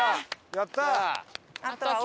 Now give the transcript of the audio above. やったー！